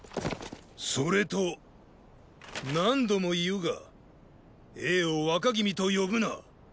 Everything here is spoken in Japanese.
それと何度も言うが詠を若君と呼ぶな。